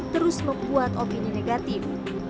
terus membuat opini negatif